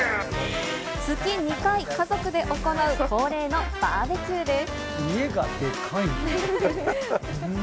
月２回、家族で行う恒例のバーベキューです。